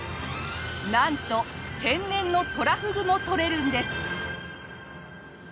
なんと天然のトラフグもとれるんです！